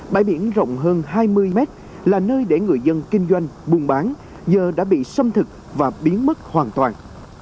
bãi biển rộng hơn hai mươi mét là nơi để người dân kinh doanh buôn bán giờ đã bị xâm thực và biến mất hoàn toàn